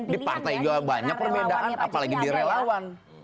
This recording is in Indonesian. di partai juga banyak perbedaan apalagi di relawan